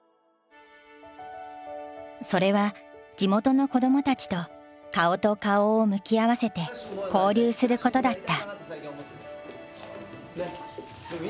それは地元の子どもたちと顔と顔を向き合わせて交流することだった。